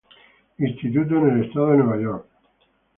Instituto, en el estado de Nueva York.